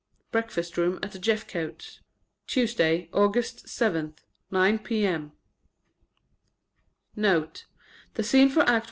Breakfast room at the Jeffcotes'. Tuesday, August 7th. 9 p.m. NOTE. The scene for Act I.